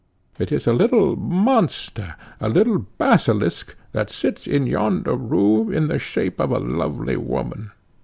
It is a little monster, a little basilisk, that sits in yonder room, in the shape of a lovely woman.